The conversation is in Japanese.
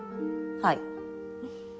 はい。